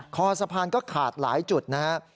คอสะพานก็ขาดหลายจุดนะครับ